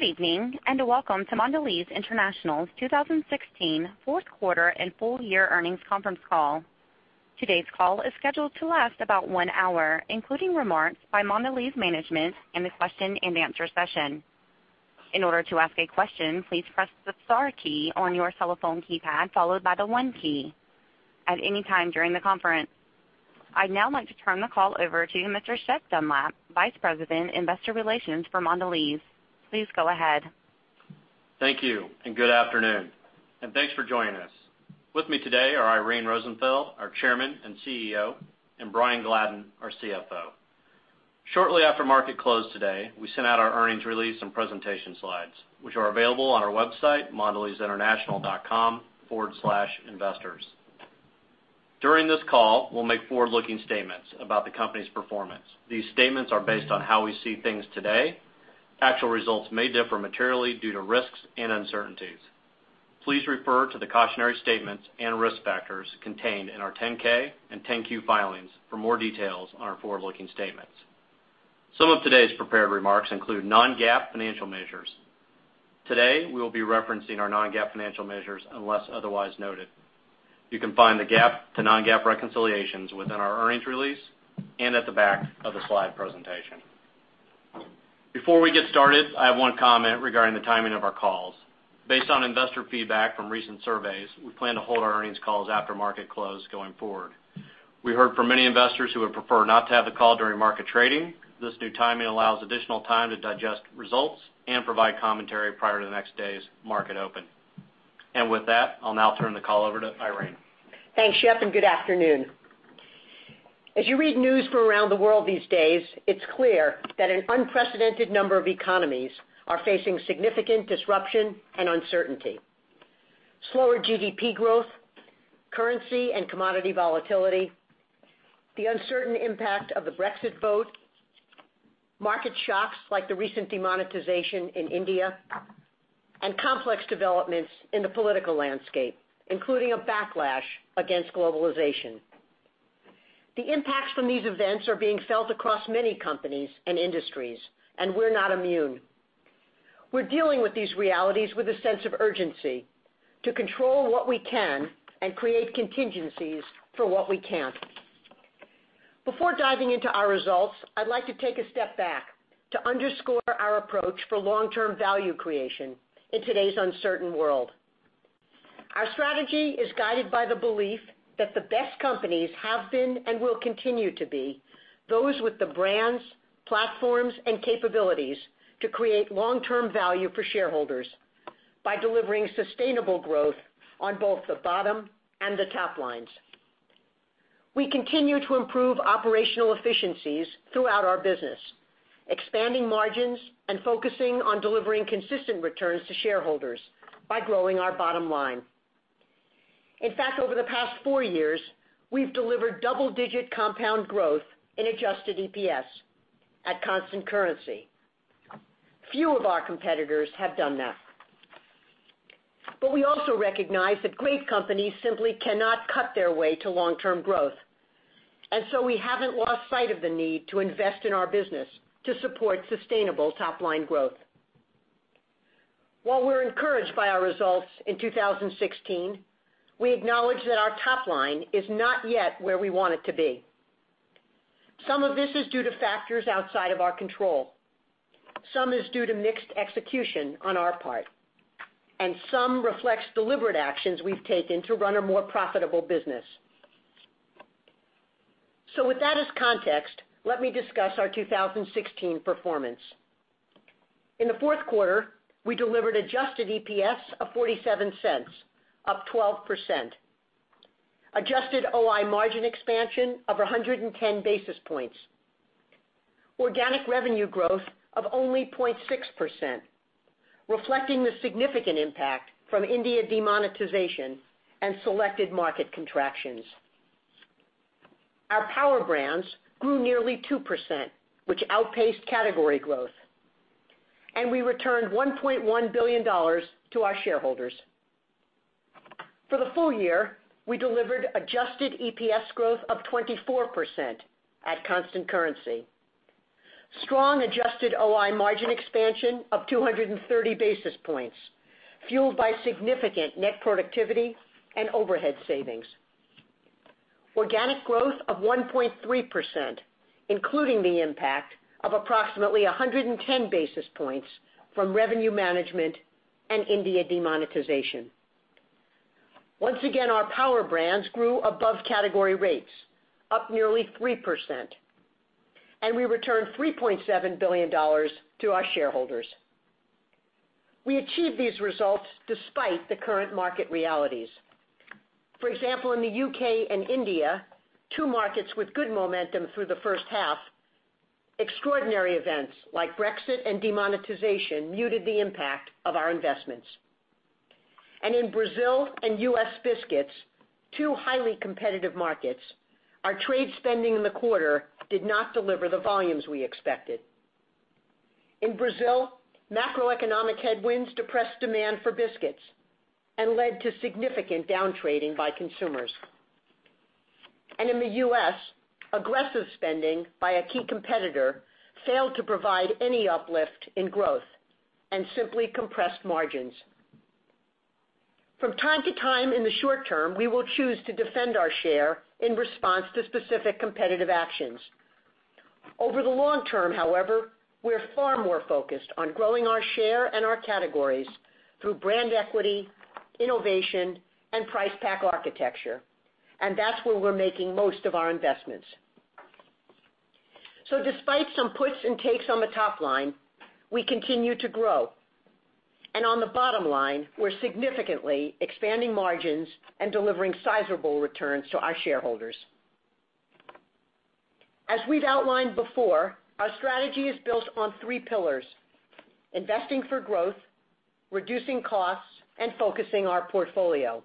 Good evening, and welcome to Mondelez International's 2016 fourth quarter and full year earnings conference call. Today's call is scheduled to last about one hour, including remarks by Mondelez management and the question and answer session. In order to ask a question, please press the star key on your telephone keypad followed by the one key at any time during the conference. I'd now like to turn the call over to Mr. Shep Dunlap, Vice President, Investor Relations for Mondelez. Please go ahead. Thank you, and good afternoon, and thanks for joining us. With me today are Irene Rosenfeld, our Chairman and CEO, and Brian Gladden, our CFO. Shortly after market close today, we sent out our earnings release and presentation slides, which are available on our website, mondelezinternational.com/investors. During this call, we'll make forward-looking statements about the company's performance. These statements are based on how we see things today. Actual results may differ materially due to risks and uncertainties. Please refer to the cautionary statements and risk factors contained in our 10-K and 10-Q filings for more details on our forward-looking statements. Some of today's prepared remarks include non-GAAP financial measures. Today, we'll be referencing our non-GAAP financial measures unless otherwise noted. You can find the GAAP to non-GAAP reconciliations within our earnings release and at the back of the slide presentation. Before we get started, I have one comment regarding the timing of our calls. Based on investor feedback from recent surveys, we plan to hold our earnings calls after market close going forward. We heard from many investors who would prefer not to have the call during market trading. This new timing allows additional time to digest results and provide commentary prior to the next day's market open. With that, I'll now turn the call over to Irene. Thanks, Shep, and good afternoon. As you read news from around the world these days, it's clear that an unprecedented number of economies are facing significant disruption and uncertainty. Slower GDP growth, currency and commodity volatility, the uncertain impact of the Brexit vote, market shocks like the recent demonetization in India, and complex developments in the political landscape, including a backlash against globalization. The impacts from these events are being felt across many companies and industries, and we're not immune. We're dealing with these realities with a sense of urgency to control what we can and create contingencies for what we can't. Before diving into our results, I'd like to take a step back to underscore our approach for long-term value creation in today's uncertain world. Our strategy is guided by the belief that the best companies have been, and will continue to be, those with the brands, platforms, and capabilities to create long-term value for shareholders by delivering sustainable growth on both the bottom and the top lines. We continue to improve operational efficiencies throughout our business, expanding margins and focusing on delivering consistent returns to shareholders by growing our bottom line. In fact, over the past four years, we've delivered double-digit compound growth in adjusted EPS at constant currency. Few of our competitors have done that. We also recognize that great companies simply cannot cut their way to long-term growth. We haven't lost sight of the need to invest in our business to support sustainable top-line growth. While we're encouraged by our results in 2016, we acknowledge that our top line is not yet where we want it to be. Some of this is due to factors outside of our control. Some is due to mixed execution on our part, and some reflects deliberate actions we've taken to run a more profitable business. With that as context, let me discuss our 2016 performance. In the fourth quarter, we delivered adjusted EPS of $0.47, up 12%. Adjusted OI margin expansion of 110 basis points. Organic revenue growth of only 0.6%, reflecting the significant impact from India demonetization and selected market contractions. Our power brands grew nearly 2%, which outpaced category growth. We returned $1.1 billion to our shareholders. For the full year, we delivered adjusted EPS growth of 24% at constant currency. Strong adjusted OI margin expansion of 230 basis points, fueled by significant net productivity and overhead savings. Organic growth of 1.3%, including the impact of approximately 110 basis points from revenue management and India demonetization. Once again, our power brands grew above category rates, up nearly 3%, and we returned $3.7 billion to our shareholders. We achieved these results despite the current market realities. For example, in the U.K. and India, two markets with good momentum through the first half, extraordinary events like Brexit and demonetization muted the impact of our investments. In Brazil and U.S. biscuits, two highly competitive markets, our trade spending in the quarter did not deliver the volumes we expected. In Brazil, macroeconomic headwinds depressed demand for biscuits and led to significant down trading by consumers. In the U.S., aggressive spending by a key competitor failed to provide any uplift in growth and simply compressed margins. From time to time in the short term, we will choose to defend our share in response to specific competitive actions. Over the long term, however, we're far more focused on growing our share and our categories through brand equity, innovation, and price pack architecture. That's where we're making most of our investments. Despite some puts and takes on the top line, we continue to grow. On the bottom line, we're significantly expanding margins and delivering sizable returns to our shareholders. As we've outlined before, our strategy is built on three pillars, investing for growth, reducing costs, and focusing our portfolio.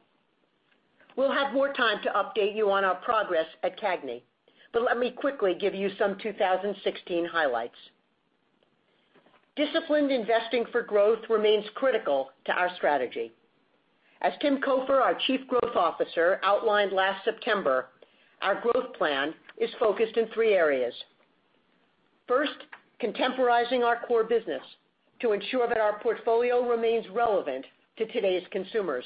We'll have more time to update you on our progress at CAGNY, let me quickly give you some 2016 highlights. Disciplined investing for growth remains critical to our strategy. As Tim Cofer, our Chief Growth Officer, outlined last September, our growth plan is focused in three areas. First, contemporizing our core business to ensure that our portfolio remains relevant to today's consumers.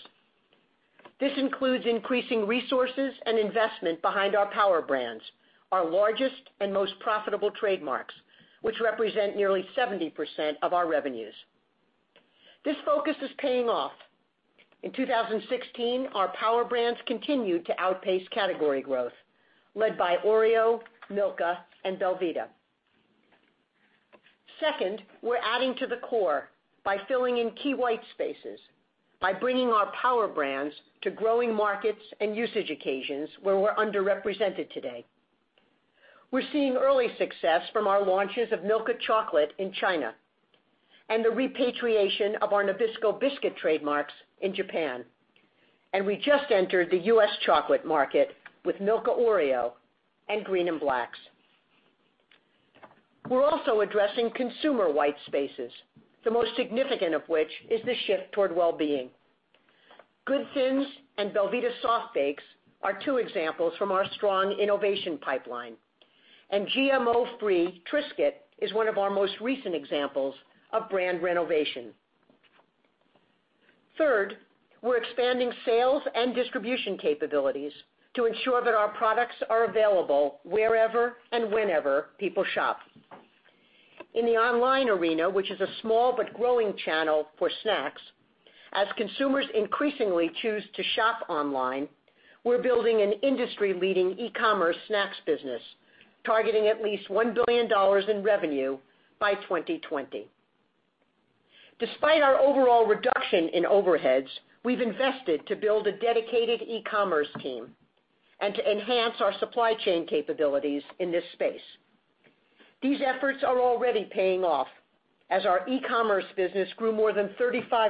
This includes increasing resources and investment behind our power brands, our largest and most profitable trademarks, which represent nearly 70% of our revenues. This focus is paying off. In 2016, our power brands continued to outpace category growth led by Oreo, Milka, and Belvita. Second, we're adding to the core by filling in key white spaces, by bringing our power brands to growing markets and usage occasions where we're underrepresented today. We're seeing early success from our launches of Milka Chocolate in China, and the repatriation of our Nabisco biscuit trademarks in Japan. And we just entered the U.S. chocolate market with Milka Oreo and Green & Black's. We're also addressing consumer white spaces, the most significant of which is the shift toward wellbeing. GOOD THiNS and belVita Soft Baked are two examples from our strong innovation pipeline. And GMO-free Triscuit is one of our most recent examples of brand renovation. Third, we're expanding sales and distribution capabilities to ensure that our products are available wherever and whenever people shop. In the online arena, which is a small but growing channel for snacks, as consumers increasingly choose to shop online, we're building an industry-leading e-commerce snacks business targeting at least $1 billion in revenue by 2020. Despite our overall reduction in overheads, we've invested to build a dedicated e-commerce team and to enhance our supply chain capabilities in this space. These efforts are already paying off as our e-commerce business grew more than 35%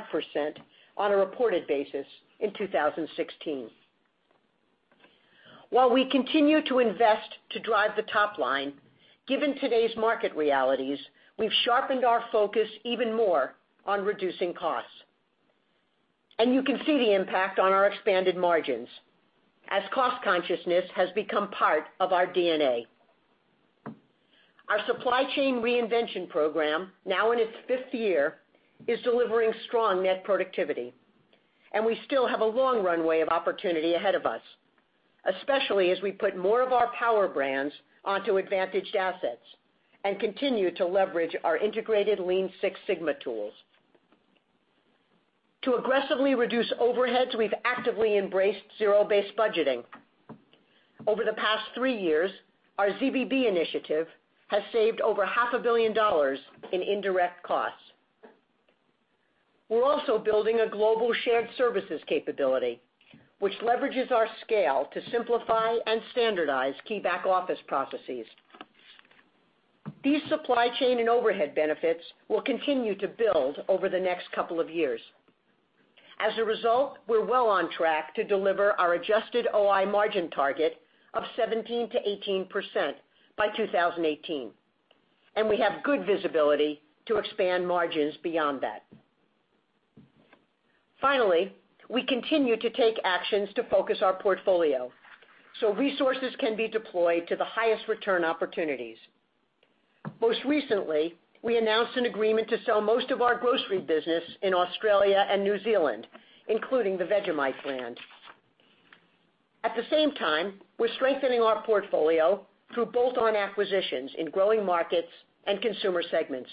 on a reported basis in 2016. While we continue to invest to drive the top line, given today's market realities, we've sharpened our focus even more on reducing costs. And you can see the impact on our expanded margins as cost consciousness has become part of our DNA. Our supply chain reinvention program, now in its fifth year, is delivering strong net productivity, and we still have a long runway of opportunity ahead of us, especially as we put more of our power brands onto advantaged assets and continue to leverage our integrated Lean Six Sigma tools. To aggressively reduce overheads, we've actively embraced zero-based budgeting. Over the past three years, our ZBB initiative has saved over half a billion dollars in indirect costs. We're also building a global shared services capability, which leverages our scale to simplify and standardize key back-office processes. These supply chain and overhead benefits will continue to build over the next couple of years. As a result, we're well on track to deliver our adjusted OI margin target of 17%-18% by 2018, and we have good visibility to expand margins beyond that. Finally, we continue to take actions to focus our portfolio so resources can be deployed to the highest return opportunities. Most recently, we announced an agreement to sell most of our grocery business in Australia and New Zealand, including the Vegemite brand. At the same time, we're strengthening our portfolio through bolt-on acquisitions in growing markets and consumer segments.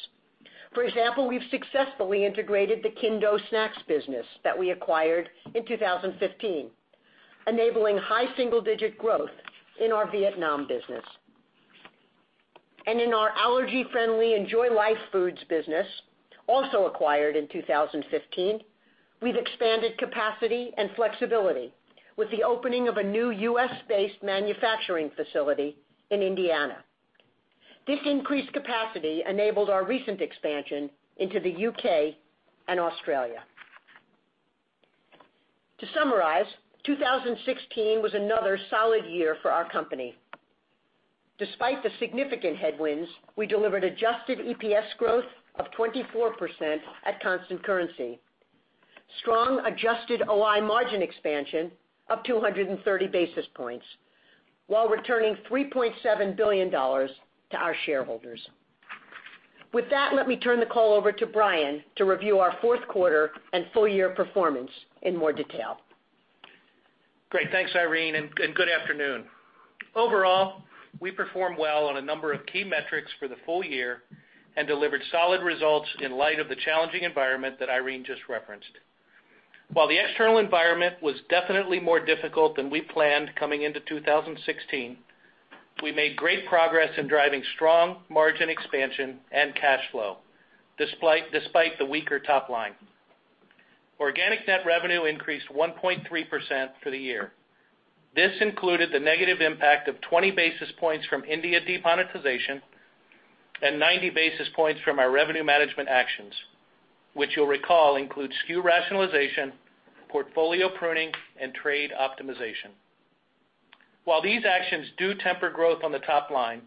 For example, we've successfully integrated the Kinh Do Snacks business that we acquired in 2015, enabling high single-digit growth in our Vietnam business. In our allergy-friendly Enjoy Life Foods business, also acquired in 2015, we've expanded capacity and flexibility with the opening of a new U.S.-based manufacturing facility in Indiana. This increased capacity enabled our recent expansion into the U.K. and Australia. To summarize, 2016 was another solid year for our company. Despite the significant headwinds, we delivered adjusted EPS growth of 24% at constant currency, strong adjusted OI margin expansion up 230 basis points, while returning $3.7 billion to our shareholders. With that, let me turn the call over to Brian to review our fourth quarter and full-year performance in more detail. Great. Thanks, Irene, and good afternoon. Overall, we performed well on a number of key metrics for the full year and delivered solid results in light of the challenging environment that Irene just referenced. While the external environment was definitely more difficult than we planned coming into 2016, we made great progress in driving strong margin expansion and cash flow despite the weaker top line. Organic net revenue increased 1.3% for the year. This included the negative impact of 20 basis points from India demonetization and 90 basis points from our revenue management actions, which you'll recall include SKU rationalization, portfolio pruning, and trade optimization. While these actions do temper growth on the top line,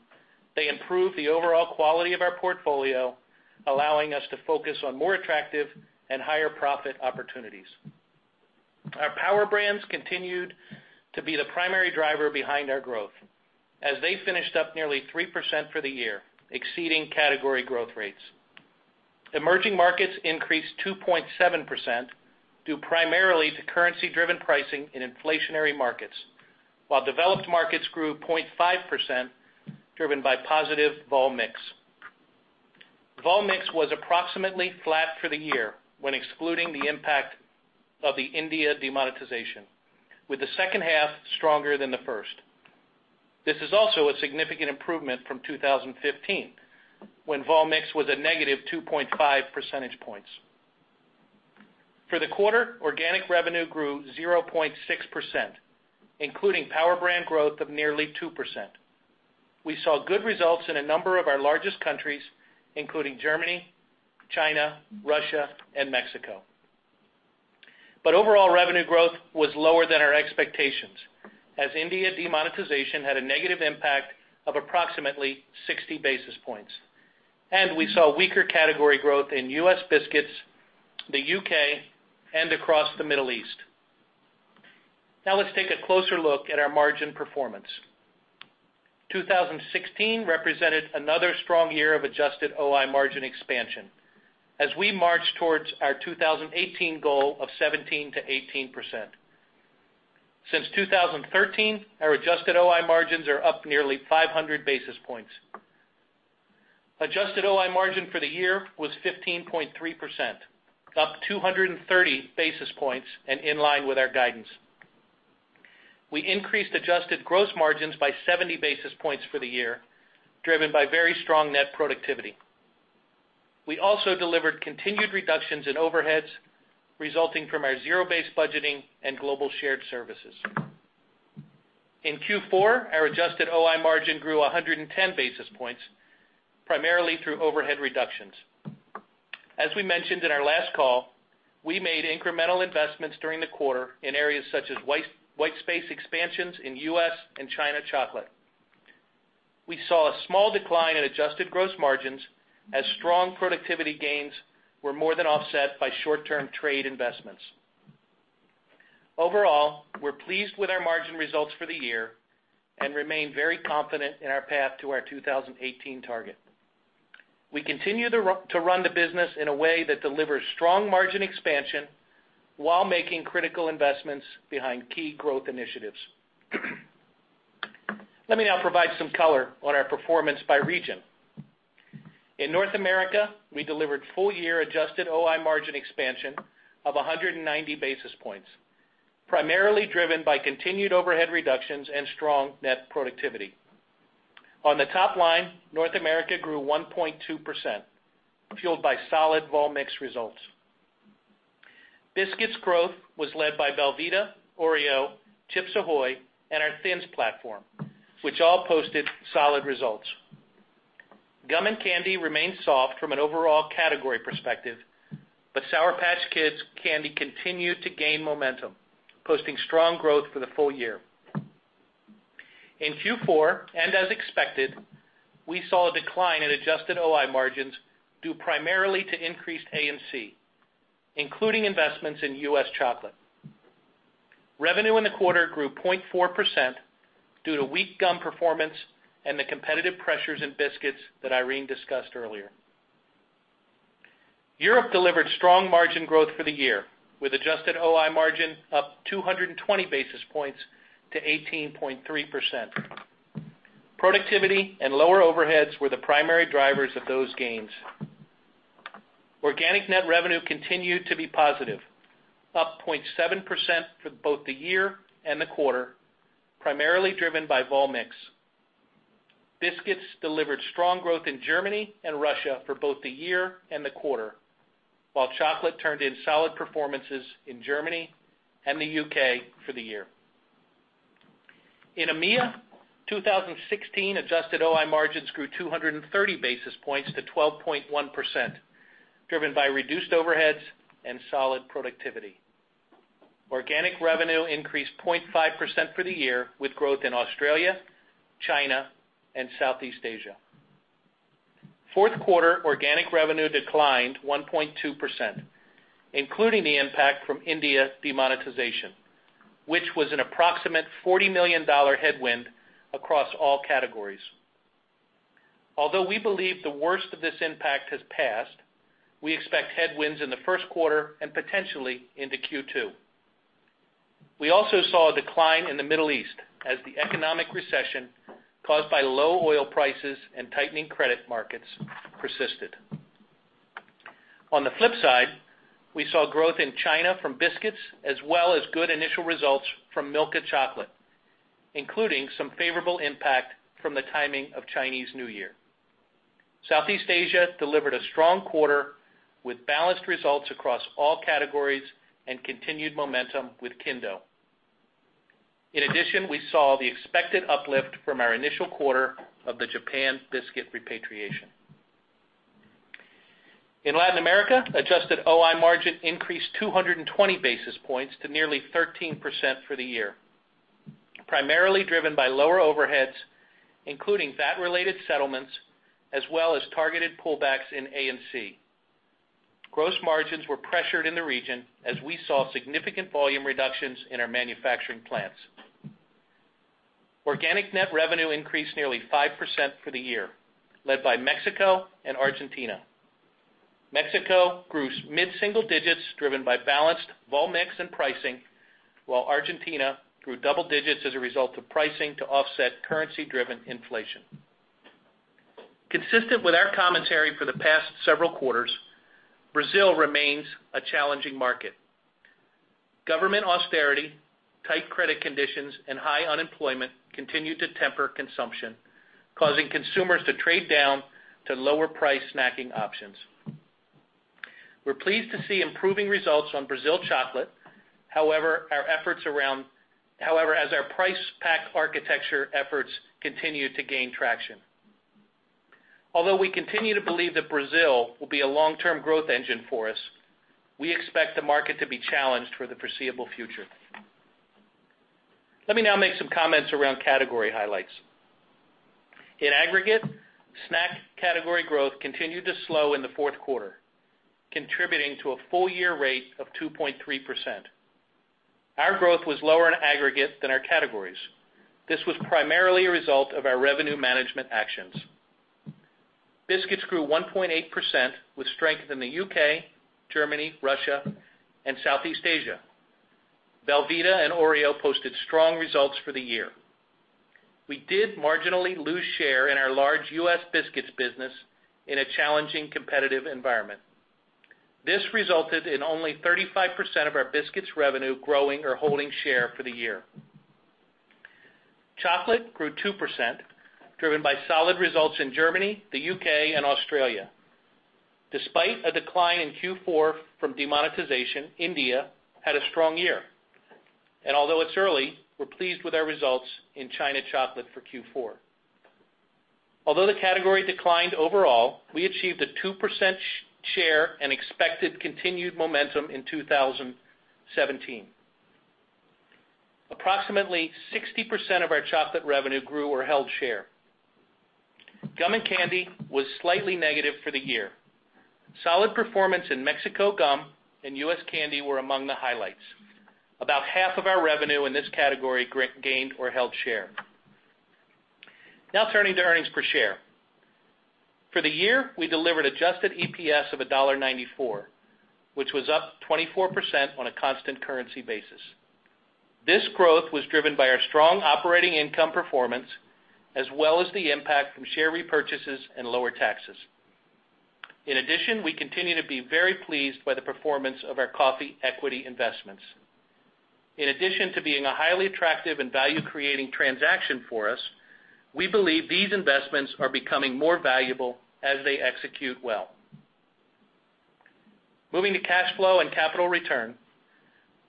they improve the overall quality of our portfolio, allowing us to focus on more attractive and higher profit opportunities. Our power brands continued to be the primary driver behind our growth as they finished up nearly 3% for the year, exceeding category growth rates. Emerging markets increased 2.7%, due primarily to currency-driven pricing in inflationary markets, while developed markets grew 0.5%, driven by positive vol mix. Vol mix was approximately flat for the year when excluding the impact of the India demonetization, with the second half stronger than the first. This is also a significant improvement from 2015, when vol mix was a negative 2.5 percentage points. For the quarter, organic revenue grew 0.6%, including power brand growth of nearly 2%. We saw good results in a number of our largest countries, including Germany, China, Russia, and Mexico. Overall revenue growth was lower than our expectations, as India demonetization had a negative impact of approximately 60 basis points. We saw weaker category growth in U.S. biscuits, the U.K., and across the Middle East. Now let's take a closer look at our margin performance. 2016 represented another strong year of adjusted OI margin expansion as we march towards our 2018 goal of 17%-18%. Since 2013, our adjusted OI margins are up nearly 500 basis points. Adjusted OI margin for the year was 15.3%, up 230 basis points and in line with our guidance. We increased adjusted gross margins by 70 basis points for the year, driven by very strong net productivity. We also delivered continued reductions in overheads resulting from our zero-based budgeting and global shared services. In Q4, our adjusted OI margin grew 110 basis points, primarily through overhead reductions. As we mentioned in our last call, we made incremental investments during the quarter in areas such as white space expansions in U.S. and China chocolate. We saw a small decline in adjusted gross margins as strong productivity gains were more than offset by short-term trade investments. Overall, we're pleased with our margin results for the year and remain very confident in our path to our 2018 target. We continue to run the business in a way that delivers strong margin expansion while making critical investments behind key growth initiatives. Let me now provide some color on our performance by region. In North America, we delivered full-year adjusted OI margin expansion of 190 basis points, primarily driven by continued overhead reductions and strong net productivity. On the top line, North America grew 1.2%, fueled by solid vol mix results. Biscuits growth was led by Belvita, Oreo, Chips Ahoy!, and our Thins platform, which all posted solid results. Gum and candy remained soft from an overall category perspective, but Sour Patch Kids candy continued to gain momentum, posting strong growth for the full year. In Q4, as expected, we saw a decline in adjusted OI margins due primarily to increased A&C, including investments in U.S. chocolate. Revenue in the quarter grew 0.4% due to weak gum performance and the competitive pressures in biscuits that Irene discussed earlier. Europe delivered strong margin growth for the year, with adjusted OI margin up 220 basis points to 18.3%. Productivity and lower overheads were the primary drivers of those gains. Organic net revenue continued to be positive, up 0.7% for both the year and the quarter, primarily driven by vol mix. Biscuits delivered strong growth in Germany and Russia for both the year and the quarter, while chocolate turned in solid performances in Germany and the U.K. for the year. In EMEA, 2016 adjusted OI margins grew 230 basis points to 12.1%, driven by reduced overheads and solid productivity. Organic revenue increased 0.5% for the year, with growth in Australia, China, and Southeast Asia. Fourth quarter organic revenue declined 1.2%, including the impact from India demonetization, which was an approximate $40 million headwind across all categories. Although we believe the worst of this impact has passed, we expect headwinds in the first quarter and potentially into Q2. We also saw a decline in the Middle East as the economic recession caused by low oil prices and tightening credit markets persisted. On the flip side, we saw growth in China from biscuits as well as good initial results from Milka Chocolate, including some favorable impact from the timing of Chinese New Year. Southeast Asia delivered a strong quarter with balanced results across all categories and continued momentum with Kinh Do. In addition, we saw the expected uplift from our initial quarter of the Japan biscuit repatriation. In Latin America, adjusted OI margin increased 220 basis points to nearly 13% for the year, primarily driven by lower overheads, including VAT-related settlements, as well as targeted pullbacks in A&C. Gross margins were pressured in the region as we saw significant volume reductions in our manufacturing plants. Organic net revenue increased nearly 5% for the year, led by Mexico and Argentina. Mexico grew mid-single digits driven by balanced volume mix and pricing, while Argentina grew double digits as a result of pricing to offset currency-driven inflation. Consistent with our commentary for the past several quarters, Brazil remains a challenging market. Government austerity, tight credit conditions, and high unemployment continue to temper consumption, causing consumers to trade down to lower-price snacking options. We're pleased to see improving results on Brazil chocolate. As our price pack architecture efforts continue to gain traction. Although we continue to believe that Brazil will be a long-term growth engine for us, we expect the market to be challenged for the foreseeable future. Let me now make some comments around category highlights. In aggregate, snack category growth continued to slow in the fourth quarter, contributing to a full-year rate of 2.3%. Our growth was lower in aggregate than our categories. This was primarily a result of our revenue management actions. Biscuits grew 1.8%, with strength in the U.K., Germany, Russia, and Southeast Asia. Belvita and Oreo posted strong results for the year. We did marginally lose share in our large U.S. biscuits business in a challenging competitive environment. This resulted in only 35% of our biscuits revenue growing or holding share for the year. Chocolate grew 2%, driven by solid results in Germany, the U.K., and Australia. Despite a decline in Q4 from demonetization, India had a strong year, and although it's early, we're pleased with our results in China chocolate for Q4. Although the category declined overall, we achieved a 2% share and expected continued momentum in 2017. Approximately 60% of our chocolate revenue grew or held share. Gum and candy was slightly negative for the year. Solid performance in Mexico gum and U.S. candy were among the highlights. About half of our revenue in this category gained or held share. Turning to earnings per share. For the year, we delivered adjusted EPS of $1.94, which was up 24% on a constant currency basis. This growth was driven by our strong operating income performance, as well as the impact from share repurchases and lower taxes. We continue to be very pleased by the performance of our coffee equity investments. In addition to being a highly attractive and value-creating transaction for us, we believe these investments are becoming more valuable as they execute well. Moving to cash flow and capital return.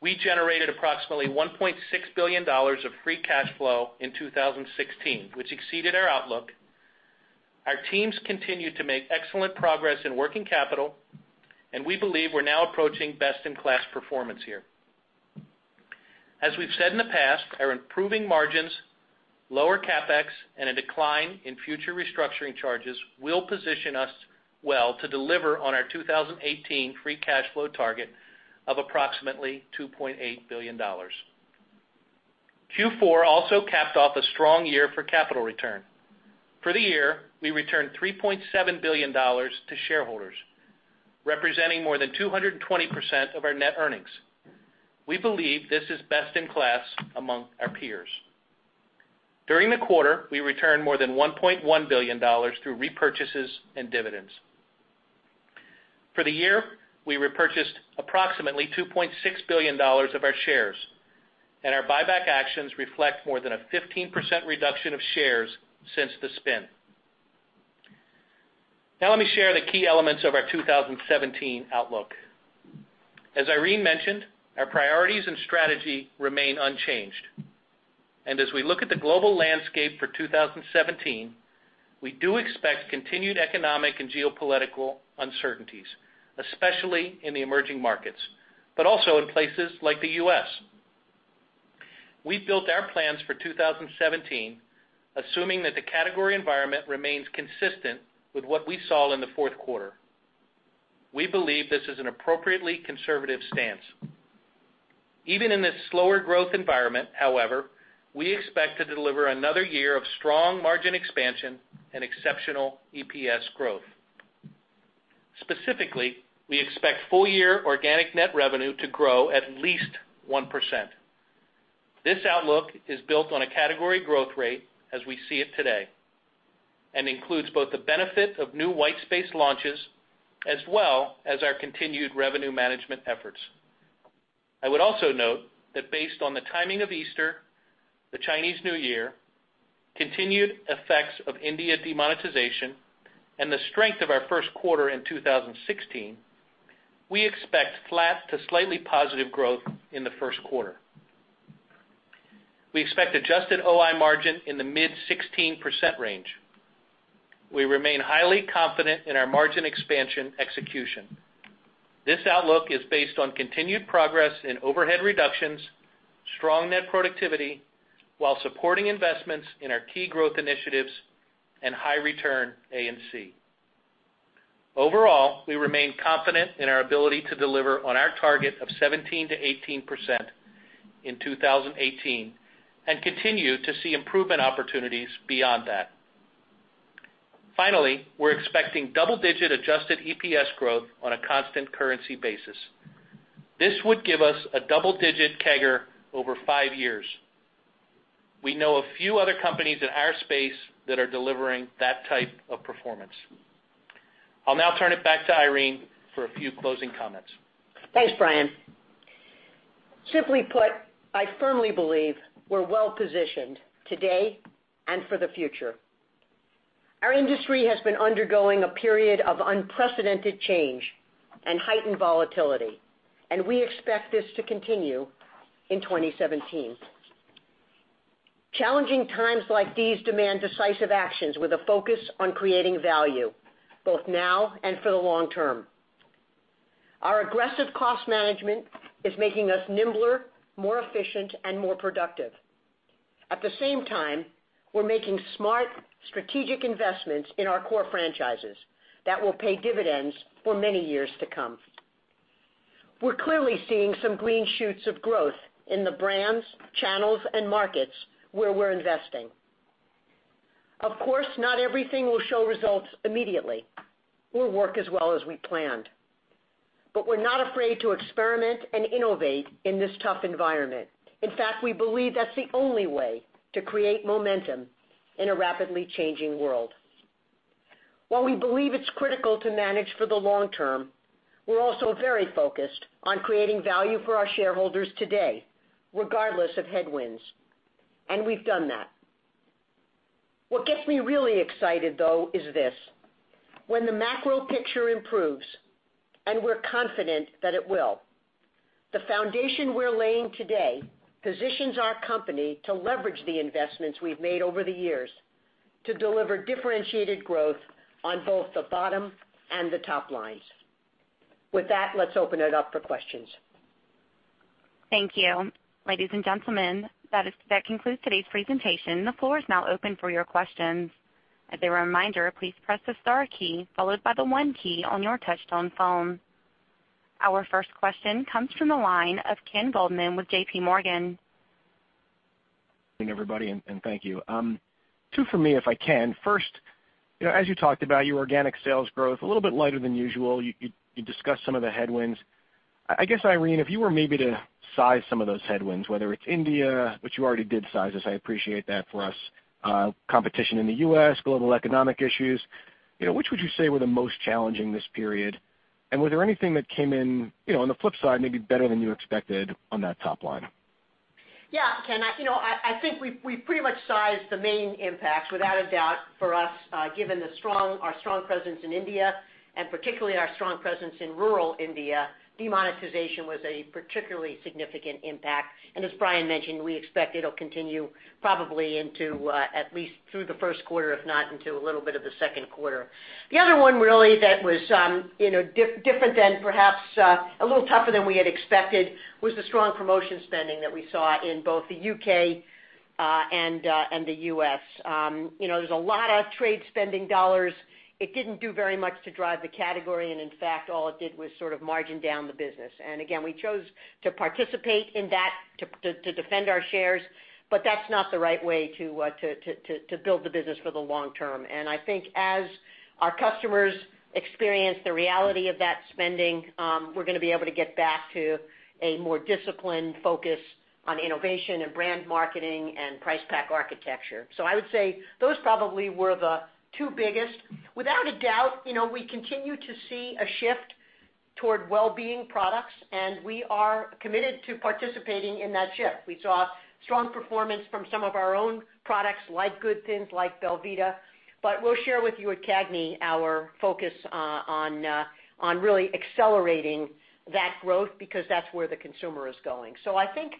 We generated approximately $1.6 billion of free cash flow in 2016, which exceeded our outlook. Our teams continue to make excellent progress in working capital, and we believe we're now approaching best-in-class performance here. As we've said in the past, our improving margins, lower CapEx, and a decline in future restructuring charges will position us well to deliver on our 2018 free cash flow target of approximately $2.8 billion. Q4 also capped off a strong year for capital return. For the year, we returned $3.7 billion to shareholders, representing more than 220% of our net earnings. We believe this is best in class among our peers. During the quarter, we returned more than $1.1 billion through repurchases and dividends. For the year, we repurchased approximately $2.6 billion of our shares, and our buyback actions reflect more than a 15% reduction of shares since the spin. Let me share the key elements of our 2017 outlook. As Irene mentioned, our priorities and strategy remain unchanged. As we look at the global landscape for 2017, we do expect continued economic and geopolitical uncertainties, especially in the emerging markets, but also in places like the U.S. We built our plans for 2017, assuming that the category environment remains consistent with what we saw in the fourth quarter. We believe this is an appropriately conservative stance. Even in this slower growth environment, however, we expect to deliver another year of strong margin expansion and exceptional EPS growth. Specifically, we expect full-year organic net revenue to grow at least 1%. This outlook is built on a category growth rate as we see it today and includes both the benefit of new white space launches as well as our continued revenue management efforts. I would also note that based on the timing of Easter, the Chinese New Year, continued effects of India demonetization, and the strength of our first quarter in 2016, we expect flat to slightly positive growth in the first quarter. We expect adjusted OI margin in the mid 16% range. We remain highly confident in our margin expansion execution. This outlook is based on continued progress in overhead reductions, strong net productivity, while supporting investments in our key growth initiatives and high return A&C. Overall, we remain confident in our ability to deliver on our target of 17%-18% in 2018 and continue to see improvement opportunities beyond that. Finally, we are expecting double-digit adjusted EPS growth on a constant currency basis. This would give us a double-digit CAGR over five years. We know a few other companies in our space that are delivering that type of performance. I will now turn it back to Irene for a few closing comments. Thanks, Brian. Simply put, I firmly believe we are well-positioned today and for the future. Our industry has been undergoing a period of unprecedented change and heightened volatility, and we expect this to continue in 2017. Challenging times like these demand decisive actions with a focus on creating value, both now and for the long term. Our aggressive cost management is making us nimbler, more efficient, and more productive. At the same time, we are making smart, strategic investments in our core franchises that will pay dividends for many years to come. We are clearly seeing some green shoots of growth in the brands, channels, and markets where we are investing. Of course, not everything will show results immediately or work as well as we planned. We are not afraid to experiment and innovate in this tough environment. In fact, we believe that is the only way to create momentum in a rapidly changing world. While we believe it's critical to manage for the long term, we're also very focused on creating value for our shareholders today, regardless of headwinds. We've done that. What gets me really excited, though, is this: when the macro picture improves, and we're confident that it will, the foundation we're laying today positions our company to leverage the investments we've made over the years to deliver differentiated growth on both the bottom and the top lines. With that, let's open it up for questions. Thank you. Ladies and gentlemen, that concludes today's presentation. The floor is now open for your questions. As a reminder, please press the star key, followed by the one key on your touch-tone phone. Our first question comes from the line of Ken Goldman with J.P. Morgan. Good morning, everybody. Thank you. Two for me, if I can. First, as you talked about your organic sales growth, a little bit lighter than usual. You discussed some of the headwinds. I guess, Irene, if you were maybe to size some of those headwinds, whether it's India, which you already did size, as I appreciate that for us, competition in the U.S., global economic issues, which would you say were the most challenging this period? Was there anything that came in, on the flip side, maybe better than you expected on that top line? Ken, I think we've pretty much sized the main impact. Without a doubt, for us, given our strong presence in India and particularly our strong presence in rural India, demonetization was a particularly significant impact. As Brian mentioned, we expect it'll continue probably into at least through the first quarter, if not into a little bit of the second quarter. The other one really that was different than perhaps a little tougher than we had expected was the strong promotion spending that we saw in both the U.K. and the U.S. There's a lot of trade spending dollars. It didn't do very much to drive the category. In fact, all it did was sort of margin down the business. Again, we chose to participate in that to defend our shares, but that's not the right way to build the business for the long term. I think as our customers experience the reality of that spending, we're going to be able to get back to a more disciplined focus on innovation and brand marketing and price pack architecture. I would say those probably were the two biggest. Without a doubt, we continue to see a shift toward well-being products, and we are committed to participating in that shift. We saw strong performance from some of our own products, like GOOD THiNS, like Belvita. We'll share with you at CAGNY our focus on really accelerating that growth because that's where the consumer is going. I think,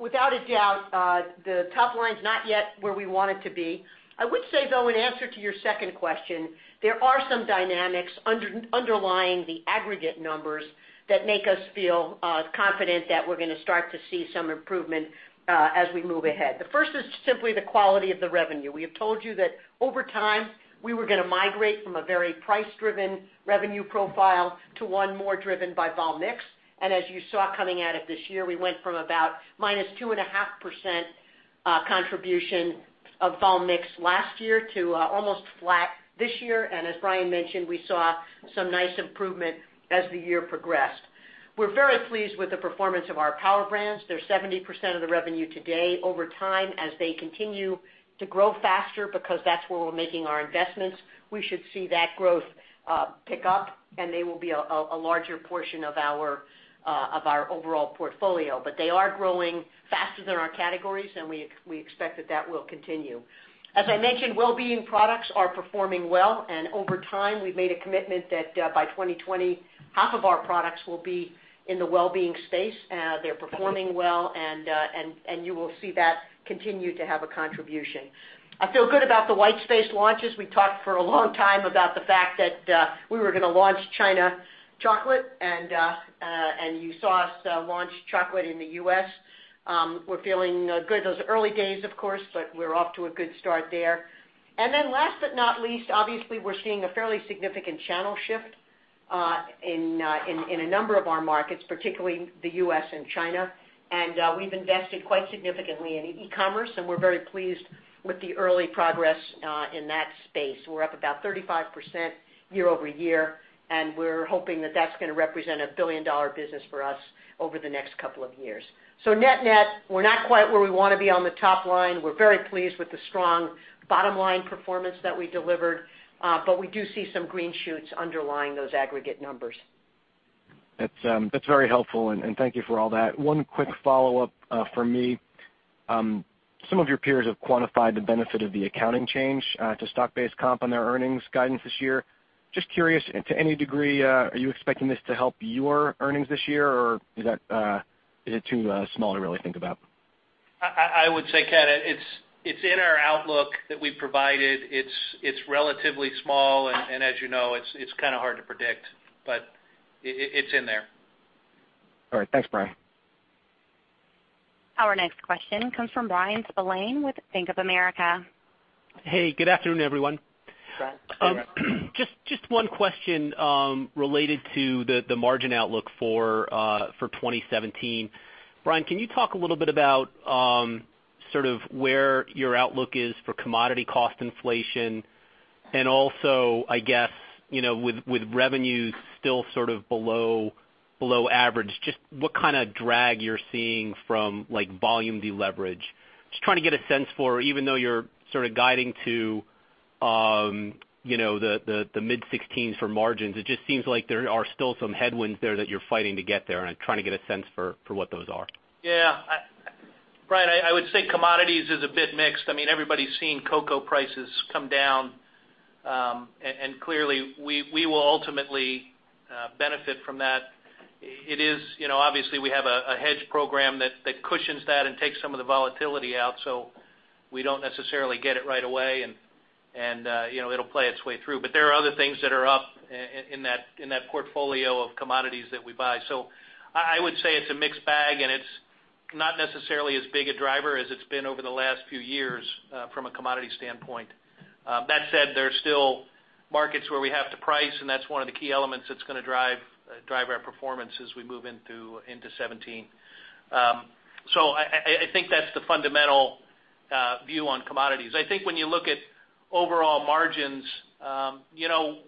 without a doubt, the top line's not yet where we want it to be. I would say, though, in answer to your second question, there are some dynamics underlying the aggregate numbers that make us feel confident that we're going to start to see some improvement as we move ahead. The first is simply the quality of the revenue. We have told you that over time, we were going to migrate from a very price-driven revenue profile to one more driven by vol mix. As you saw coming out of this year, we went from about -2.5% contribution of vol mix last year to almost flat this year. As Brian mentioned, we saw some nice improvement as the year progressed. We're very pleased with the performance of our power brands. They're 70% of the revenue today. Over time, as they continue to grow faster, because that's where we're making our investments, we should see that growth pick up, and they will be a larger portion of our overall portfolio. They are growing faster than our categories, and we expect that that will continue. As I mentioned, well-being products are performing well, and over time, we've made a commitment that by 2020, half of our products will be in the well-being space. They're performing well, and you will see that continue to have a contribution. I feel good about the white space launches. We've talked for a long time about the fact that we were going to launch China chocolate, and you saw us launch chocolate in the U.S. We're feeling good. Those are early days, of course, but we're off to a good start there. Last but not least, obviously, we're seeing a fairly significant channel shift in a number of our markets, particularly the U.S. and China. We've invested quite significantly in e-commerce, and we're very pleased with the early progress in that space. We're up about 35% year-over-year, and we're hoping that that's going to represent a billion-dollar business for us over the next couple of years. Net-net, we're not quite where we want to be on the top line. We're very pleased with the strong bottom-line performance that we delivered. We do see some green shoots underlying those aggregate numbers. That's very helpful. Thank you for all that. One quick follow-up from me. Some of your peers have quantified the benefit of the accounting change to stock-based comp on their earnings guidance this year. Just curious, to any degree, are you expecting this to help your earnings this year, or is it too small to really think about? I would say, Ken, it's in our outlook that we provided. It's relatively small. As you know, it's kind of hard to predict. It's in there. All right. Thanks, Brian. Our next question comes from Bryan Spillane with Bank of America. Hey, good afternoon, everyone. Bryan. Just one question related to the margin outlook for 2017. Brian, can you talk a little bit about where your outlook is for commodity cost inflation? Also, I guess, with revenues still below average, just what kind of drag you're seeing from volume deleverage. Just trying to get a sense for, even though you're guiding to the mid-16s for margins, it just seems like there are still some headwinds there that you're fighting to get there, and I'm trying to get a sense for what those are. Yeah. Brian, I would say commodities is a bit mixed. Everybody's seen cocoa prices come down, clearly, we will ultimately benefit from that. Obviously, we have a hedge program that cushions that and takes some of the volatility out, so we don't necessarily get it right away, and it'll play its way through. There are other things that are up in that portfolio of commodities that we buy. I would say it's a mixed bag, and it's not necessarily as big a driver as it's been over the last few years from a commodity standpoint. That said, there's still markets where we have to price, and that's one of the key elements that's going to drive our performance as we move into 2017. I think that's the fundamental view on commodities. I think when you look at overall margins,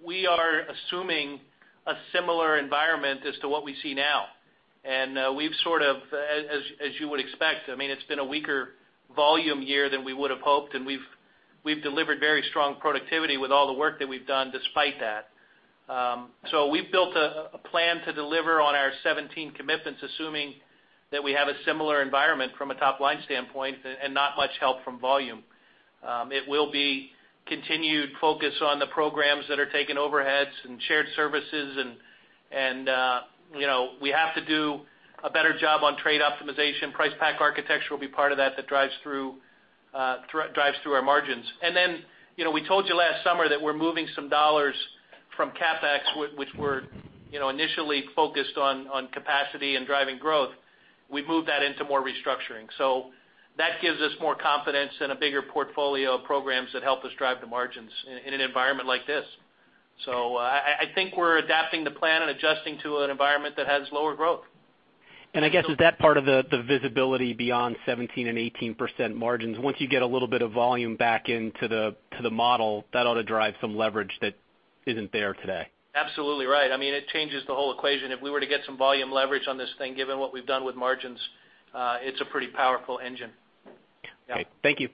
we are assuming a similar environment as to what we see now. As you would expect, it's been a weaker volume year than we would have hoped, and we've delivered very strong productivity with all the work that we've done despite that. We've built a plan to deliver on our 2017 commitments, assuming that we have a similar environment from a top-line standpoint and not much help from volume. It will be continued focus on the programs that are taking overheads and shared services, and we have to do a better job on trade optimization. Price pack architecture will be part of that drives through our margins. Then, we told you last summer that we're moving some dollars from CapEx, which were initially focused on capacity and driving growth. We've moved that into more restructuring. That gives us more confidence in a bigger portfolio of programs that help us drive the margins in an environment like this. I think we're adapting the plan and adjusting to an environment that has lower growth. I guess, is that part of the visibility beyond 17% and 18% margins? Once you get a little bit of volume back into the model, that ought to drive some leverage that isn't there today. Absolutely right. It changes the whole equation. If we were to get some volume leverage on this thing, given what we've done with margins, it's a pretty powerful engine. Okay. Thank you.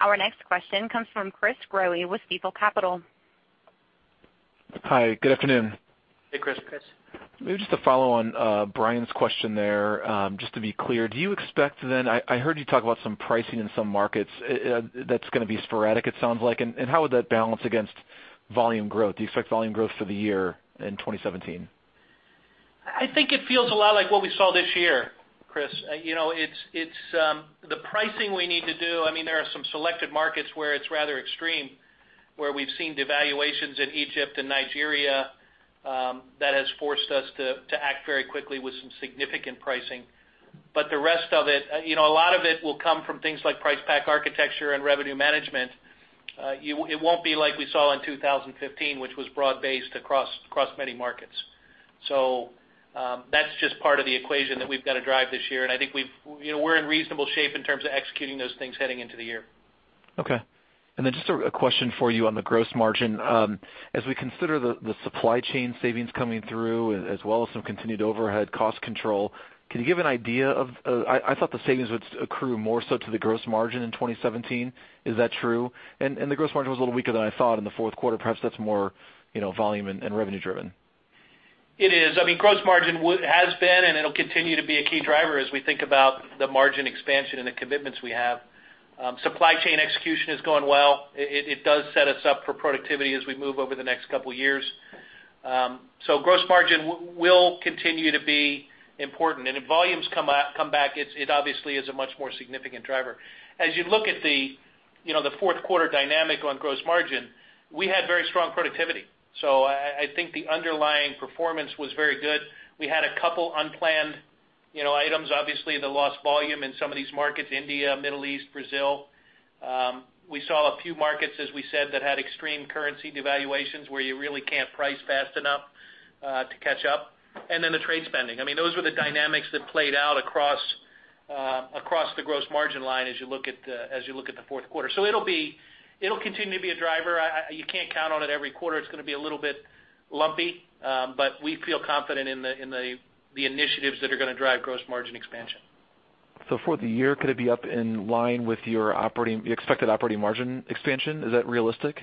Our next question comes from Chris Growe with Stifel Financial Corp. Hi, good afternoon. Hey, Chris. Chris. Maybe just to follow on Bryan's question there, just to be clear, do you expect then I heard you talk about some pricing in some markets, that's going to be sporadic it sounds like. How would that balance against volume growth? Do you expect volume growth for the year in 2017? I think it feels a lot like what we saw this year, Chris. The pricing we need to do, there are some selected markets where it's rather extreme, where we've seen devaluations in Egypt and Nigeria, that has forced us to act very quickly with some significant pricing. The rest of it, a lot of it will come from things like price pack architecture and revenue management. It won't be like we saw in 2015, which was broad-based across many markets. That's just part of the equation that we've got to drive this year, and I think we're in reasonable shape in terms of executing those things heading into the year. Okay. Just a question for you on the gross margin. As we consider the supply chain savings coming through, as well as some continued overhead cost control, can you give an idea of I thought the savings would accrue more so to the gross margin in 2017. Is that true? The gross margin was a little weaker than I thought in the fourth quarter. Perhaps that's more volume and revenue driven. It is. Gross margin has been, and it'll continue to be a key driver as we think about the margin expansion and the commitments we have. Supply chain execution is going well. It does set us up for productivity as we move over the next couple of years. Gross margin will continue to be important, and if volumes come back, it obviously is a much more significant driver. As you look at the fourth quarter dynamic on gross margin, we had very strong productivity. I think the underlying performance was very good. We had a couple unplanned items, obviously, the lost volume in some of these markets, India, Middle East, Brazil. We saw a few markets, as we said, that had extreme currency devaluations where you really can't price fast enough to catch up. The trade spending. Those were the dynamics that played out across the gross margin line as you look at the fourth quarter. It'll continue to be a driver. You can't count on it every quarter. It's going to be a little bit lumpy. We feel confident in the initiatives that are going to drive gross margin expansion. For the year, could it be up in line with your expected operating margin expansion? Is that realistic?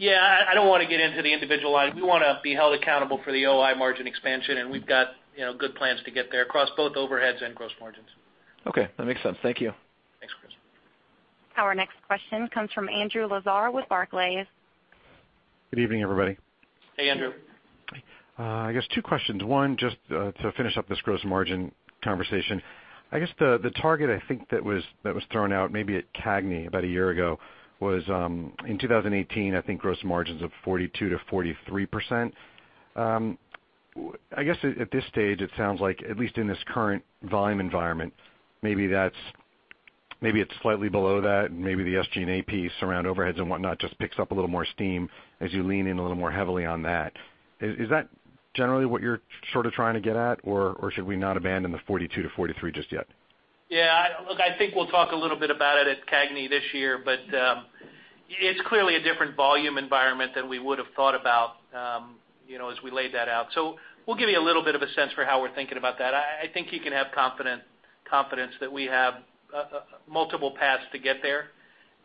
I don't want to get into the individual line. We want to be held accountable for the OI margin expansion, and we've got good plans to get there across both overheads and gross margins. That makes sense. Thank you. Thanks, Chris. Our next question comes from Andrew Lazar with Barclays. Good evening, everybody. Hey, Andrew. Hi. I guess two questions. One, just to finish up this gross margin conversation. I guess the target, I think that was thrown out maybe at CAGNY about a year ago was, in 2018, I think gross margins of 42%-43%. I guess at this stage, it sounds like, at least in this current volume environment, maybe it's slightly below that, and maybe the SG&A piece around overheads and whatnot just picks up a little more steam as you lean in a little more heavily on that. Is that generally what you're sort of trying to get at? Or should we not abandon the 42%-43% just yet? Look, I think we'll talk a little bit about it at CAGNY this year, but it's clearly a different volume environment than we would have thought about as we laid that out. We'll give you a little bit of a sense for how we're thinking about that. I think you can have confidence that we have multiple paths to get there.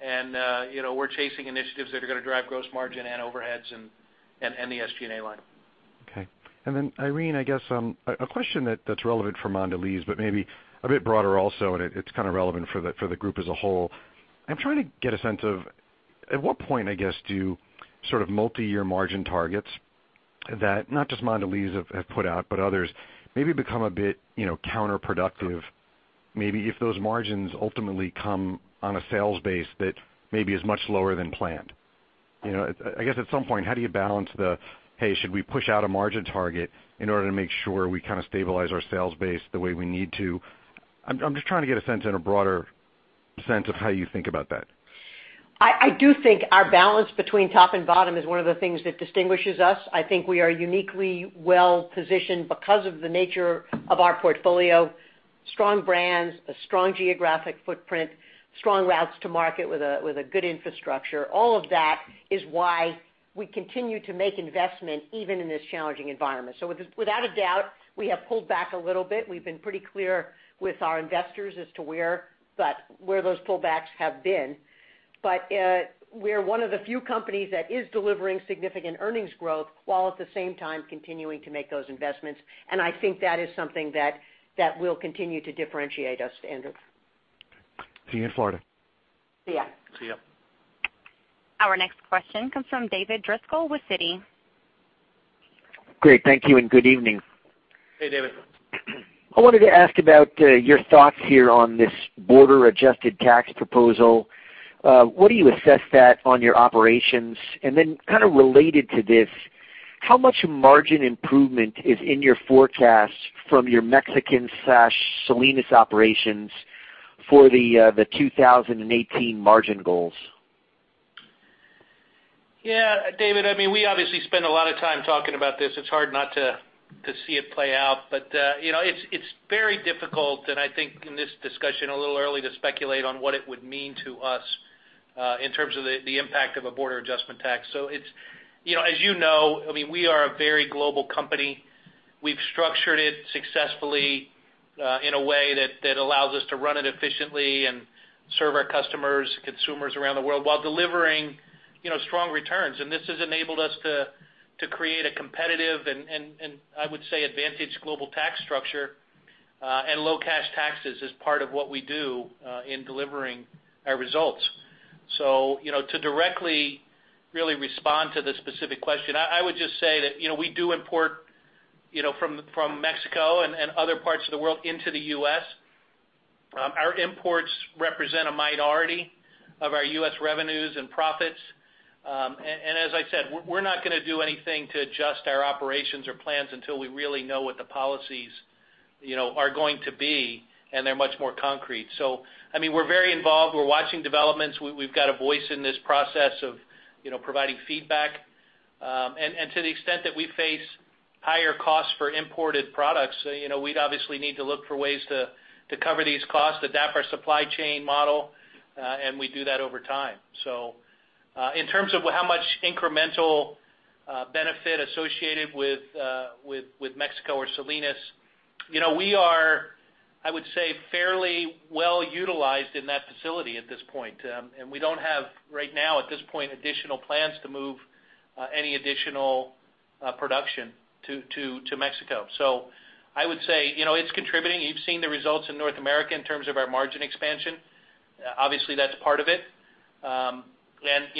We're chasing initiatives that are going to drive gross margin and overheads and the SG&A line. Okay. Irene, I guess, a question that's relevant for Mondelez, but maybe a bit broader also, and it's kind of relevant for the group as a whole. I'm trying to get a sense of, at what point, I guess, do sort of multi-year margin targets that not just Mondelez have put out, but others maybe become a bit counterproductive, maybe if those margins ultimately come on a sales base that maybe is much lower than planned. I guess at some point, how do you balance the, "Hey, should we push out a margin target in order to make sure we kind of stabilize our sales base the way we need to?" I'm just trying to get a broader sense of how you think about that. I do think our balance between top and bottom is one of the things that distinguishes us. I think we are uniquely well-positioned because of the nature of our portfolio, strong brands, a strong geographic footprint, strong routes to market with a good infrastructure. All of that is why we continue to make investment even in this challenging environment. Without a doubt, we have pulled back a little bit. We've been pretty clear with our investors as to where those pullbacks have been. We're one of the few companies that is delivering significant earnings growth while at the same time continuing to make those investments, and I think that is something that will continue to differentiate us, Andrew. See you in Florida. See ya. See you. Our next question comes from David Driscoll with Citi. Great. Thank you, and good evening. Hey, David. I wanted to ask about your thoughts here on this border-adjusted tax proposal? What do you assess that on your operations? Related to this, how much margin improvement is in your forecast from your Mexican/Salinas operations for the 2018 margin goals? David, we obviously spend a lot of time talking about this. It's hard not to see it play out. It's very difficult, and I think in this discussion, a little early to speculate on what it would mean to us in terms of the impact of a border adjustment tax. As you know, we are a very global company. We've structured it successfully in a way that allows us to run it efficiently and serve our customers, consumers around the world while delivering strong returns. This has enabled us to create a competitive and, I would say, advantaged global tax structure, and low cash taxes as part of what we do in delivering our results. To directly really respond to the specific question, I would just say that we do import from Mexico and other parts of the world into the U.S. Our imports represent a minority of our U.S. revenues and profits. As I said, we're not going to do anything to adjust our operations or plans until we really know what the policies are going to be, and they're much more concrete. We're very involved. We're watching developments. We've got a voice in this process of providing feedback. To the extent that we face higher costs for imported products, we'd obviously need to look for ways to cover these costs, adapt our supply chain model, and we do that over time. In terms of how much incremental benefit associated with Mexico or Salinas, we are, I would say, fairly well-utilized in that facility at this point. We don't have, right now, at this point, additional plans to move any additional production to Mexico. I would say, it's contributing. You've seen the results in North America in terms of our margin expansion. Obviously, that's part of it. It's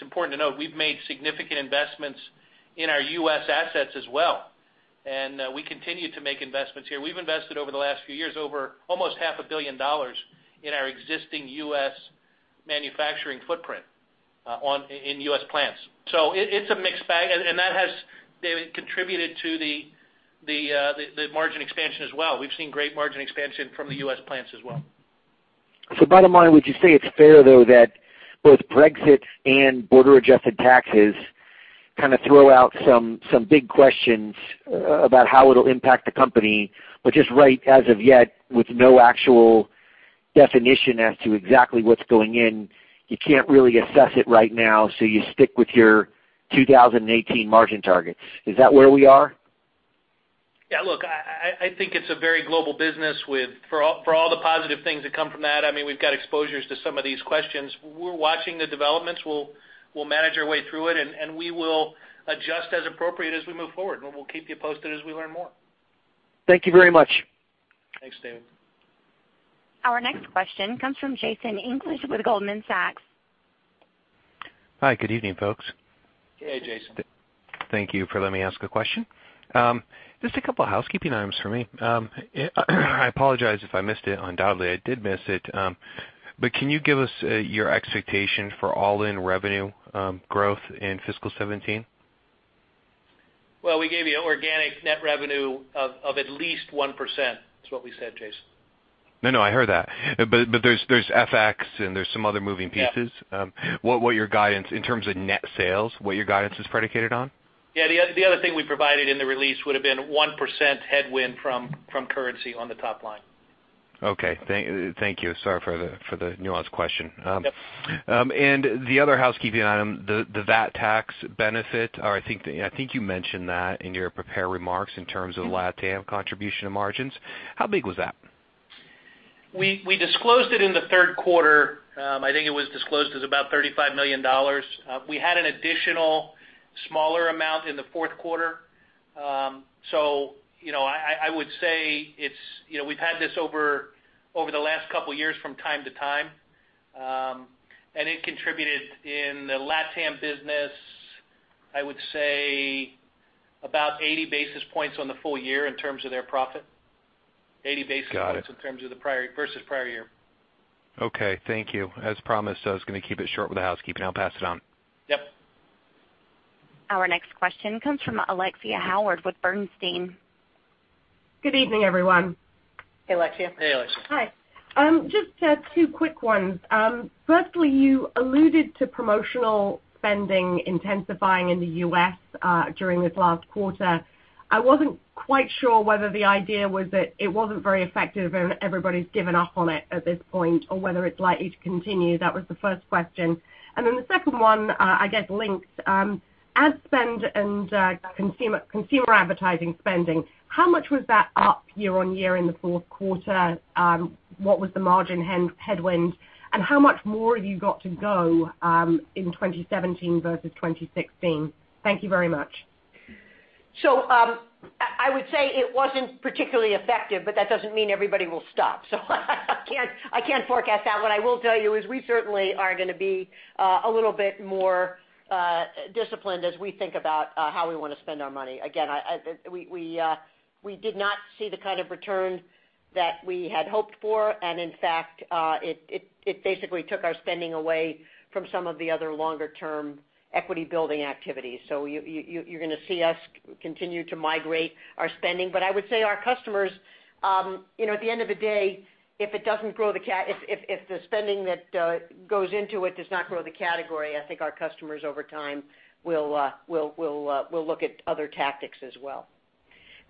important to note, we've made significant investments in our U.S. assets as well, and we continue to make investments here. We've invested over the last few years, over almost half a billion dollars in our existing U.S. manufacturing footprint in U.S. plants. It's a mixed bag, and that has contributed to the margin expansion as well. We've seen great margin expansion from the U.S. plants as well. Bottom line, would you say it's fair though that both Brexit and border-adjusted taxes kind of throw out some big questions about how it'll impact the company, just right, as of yet, with no actual definition as to exactly what's going in, you can't really assess it right now, you stick with your 2018 margin targets. Is that where we are? Look, I think it's a very global business. For all the positive things that come from that, we've got exposures to some of these questions. We're watching the developments. We'll manage our way through it, and we will adjust as appropriate as we move forward. We'll keep you posted as we learn more. Thank you very much. Thanks, David. Our next question comes from Jason English with Goldman Sachs. Hi, good evening, folks. Hey, Jason. Thank you for letting me ask a question. Just a couple housekeeping items for me. I apologize if I missed it. Undoubtedly, I did miss it. Can you give us your expectation for all-in revenue growth in fiscal 2017? Well, we gave you organic net revenue of at least 1%, is what we said, Jason. No, I heard that. There's FX and there's some other moving pieces. Yeah. What your guidance is predicated on? Yeah, the other thing we provided in the release would've been 1% headwind from currency on the top line. Okay. Thank you. Sorry for the nuanced question. Yep. The other housekeeping item, the VAT tax benefit, or I think you mentioned that in your prepared remarks in terms of LatAm contribution to margins. How big was that? We disclosed it in the third quarter. I think it was disclosed as about $35 million. We had an additional smaller amount in the fourth quarter. I would say we've had this over the last couple of years from time to time. It contributed in the LatAm business, I would say about 80 basis points on the full year in terms of their profit. Got it in terms of versus prior year. Okay, thank you. As promised, I was going to keep it short with the housekeeping. I'll pass it on. Yep. Our next question comes from Alexia Howard with Bernstein. Good evening, everyone. Hey, Alexia. Hey, Alexia. Just two quick ones. Firstly, you alluded to promotional spending intensifying in the U.S. during this last quarter. I wasn't quite sure whether the idea was that it wasn't very effective and everybody's given up on it at this point, or whether it's likely to continue. That was the first question. The second one, I guess linked. Ad spend and consumer advertising spending, how much was that up year-over-year in the fourth quarter? What was the margin headwind, and how much more have you got to go in 2017 versus 2016? Thank you very much. I would say it wasn't particularly effective, that doesn't mean everybody will stop. I can't forecast that. What I will tell you is we certainly are going to be a little bit more disciplined as we think about how we want to spend our money. Again, we did not see the kind of return that we had hoped for, and in fact, it basically took our spending away from some of the other longer-term equity-building activities. You're going to see us continue to migrate our spending. I would say our customers, at the end of the day, if the spending that goes into it does not grow the category, I think our customers over time will look at other tactics as well.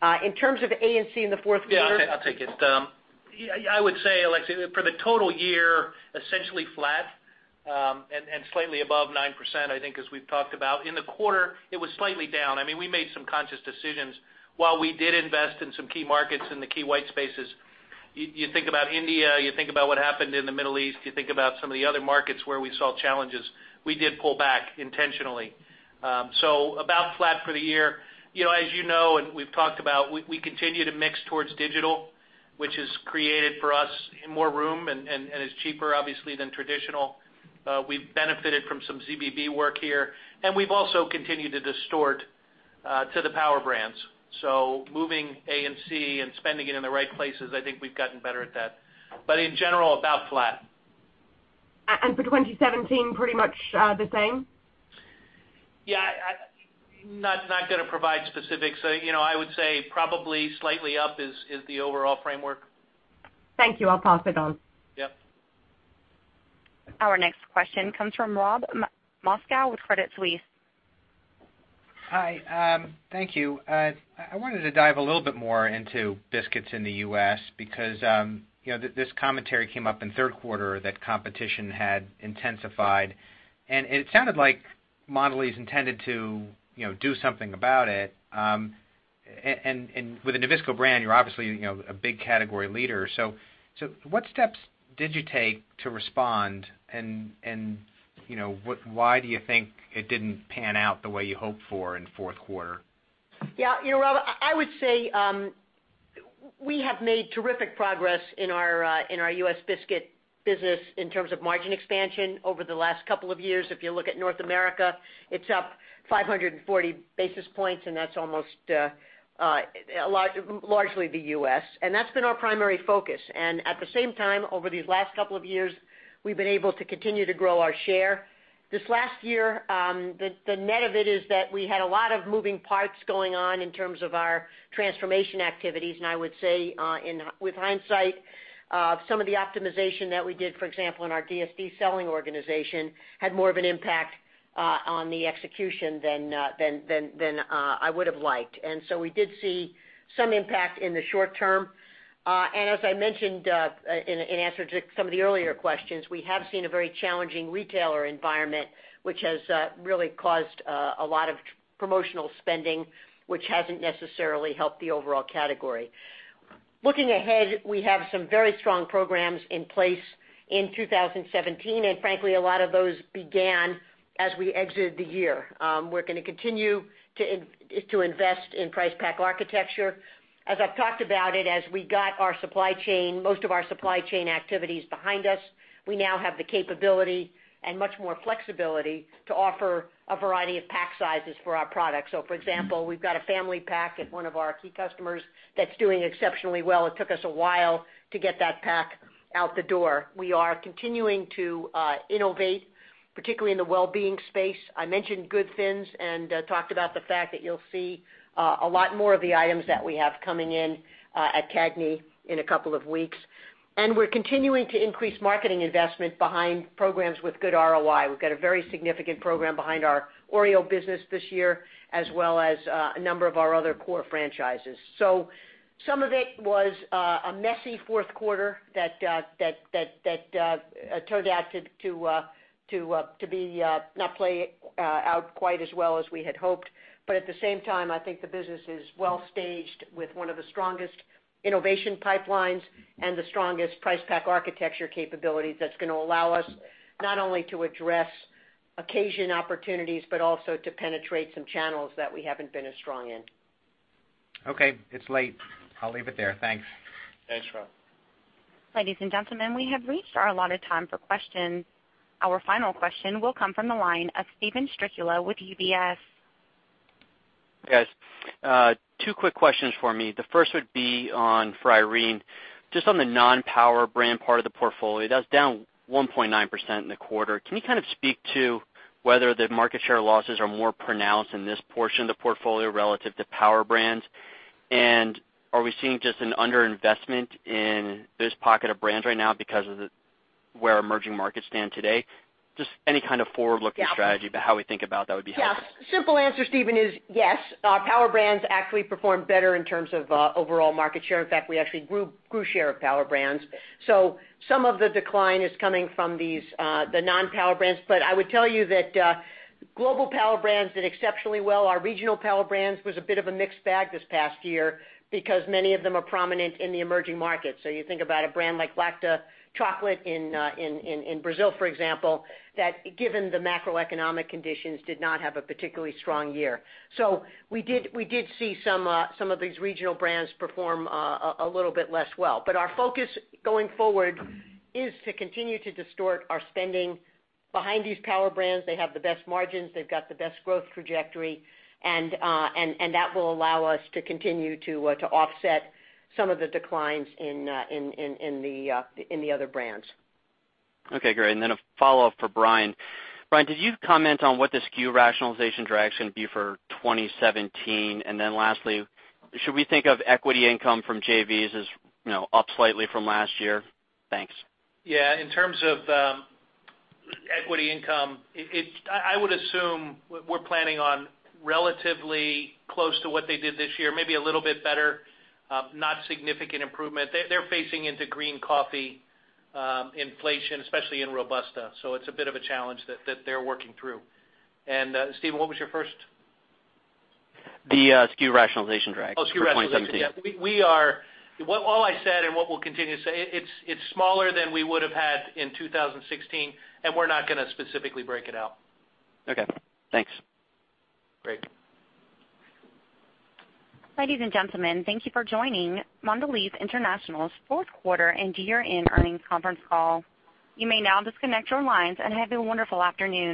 In terms of A&C in the fourth quarter. Yeah, I'll take it. I would say, Alexia, for the total year, essentially flat And slightly above 9%, I think, as we've talked about. In the quarter, it was slightly down. We made some conscious decisions. While we did invest in some key markets in the key white spaces, you think about India, you think about what happened in the Middle East, you think about some of the other markets where we saw challenges, we did pull back intentionally. About flat for the year. As you know, and we've talked about, we continue to mix towards digital, which has created for us more room and is cheaper, obviously, than traditional. We've benefited from some ZBB work here, and we've also continued to distort to the power brands. Moving A&C and spending it in the right places, I think we've gotten better at that. In general, about flat. For 2017, pretty much the same? Yeah. Not going to provide specifics. I would say probably slightly up is the overall framework. Thank you. I'll pass it on. Yep. Our next question comes from Robert Moskow with Credit Suisse. Hi. Thank you. I wanted to dive a little bit more into biscuits in the U.S. because this commentary came up in third quarter that competition had intensified, it sounded like Mondelez intended to do something about it. With the Nabisco brand, you're obviously a big category leader. What steps did you take to respond and why do you think it didn't pan out the way you hoped for in fourth quarter? Yeah, Rob, I would say we have made terrific progress in our U.S. biscuit business in terms of margin expansion over the last couple of years. If you look at North America, it's up 540 basis points, that's almost largely the U.S. That's been our primary focus. At the same time, over these last couple of years, we've been able to continue to grow our share. This last year, the net of it is that we had a lot of moving parts going on in terms of our transformation activities. I would say with hindsight, some of the optimization that we did, for example, in our DSD selling organization, had more of an impact on the execution than I would have liked. We did see some impact in the short term. As I mentioned in answer to some of the earlier questions, we have seen a very challenging retailer environment, which has really caused a lot of promotional spending, which hasn't necessarily helped the overall category. Looking ahead, we have some very strong programs in place in 2017, frankly, a lot of those began as we exited the year. We're going to continue to invest in price pack architecture. As I've talked about it, as we got most of our supply chain activities behind us, we now have the capability and much more flexibility to offer a variety of pack sizes for our products. For example, we've got a family pack at one of our key customers that's doing exceptionally well. It took us a while to get that pack out the door. We are continuing to innovate, particularly in the well-being space. I mentioned GOOD THiNS and talked about the fact that you'll see a lot more of the items that we have coming in at CAGNY in a couple of weeks. We're continuing to increase marketing investment behind programs with good ROI. We've got a very significant program behind our Oreo business this year, as well as a number of our other core franchises. Some of it was a messy fourth quarter that turned out to not play out quite as well as we had hoped. At the same time, I think the business is well staged with one of the strongest innovation pipelines and the strongest price pack architecture capabilities that's going to allow us not only to address occasion opportunities, but also to penetrate some channels that we haven't been as strong in. Okay. It's late. I'll leave it there. Thanks. Thanks, Rob. Ladies and gentlemen, we have reached our allotted time for questions. Our final question will come from the line of Steven Strycula with UBS. Hey, guys. Two quick questions for me. The first would be for Irene, just on the non-power brand part of the portfolio, that's down 1.9% in the quarter. Can you speak to whether the market share losses are more pronounced in this portion of the portfolio relative to power brands? Are we seeing just an underinvestment in this pocket of brands right now because of where emerging markets stand today? Just any kind of forward-looking strategy about how we think about that would be helpful. Yeah. Simple answer, Steven, is yes. Our power brands actually performed better in terms of overall market share. In fact, we actually grew share of power brands. Some of the decline is coming from the non-power brands. I would tell you that global power brands did exceptionally well. Our regional power brands was a bit of a mixed bag this past year because many of them are prominent in the emerging markets. You think about a brand like Lacta Chocolate in Brazil, for example, that given the macroeconomic conditions, did not have a particularly strong year. We did see some of these regional brands perform a little bit less well. Our focus going forward is to continue to distort our spending behind these power brands. They have the best margins, they've got the best growth trajectory, and that will allow us to continue to offset some of the declines in the other brands. Okay, great. A follow-up for Brian. Brian, could you comment on what the SKU rationalization drag is going to be for 2017? Lastly, should we think of equity income from JVs as up slightly from last year? Thanks. Yeah. In terms of equity income, I would assume we're planning on relatively close to what they did this year, maybe a little bit better, not significant improvement. They're facing into green coffee inflation, especially in Robusta. It's a bit of a challenge that they're working through. Steven, what was your first? The SKU rationalization drag for 2017. Oh, SKU rationalization. Yeah. All I said and what we'll continue to say, it's smaller than we would have had in 2016, and we're not going to specifically break it out. Okay. Thanks. Great. Ladies and gentlemen, thank you for joining Mondelez International's fourth quarter and year-end earnings conference call. You may now disconnect your lines. Have a wonderful afternoon.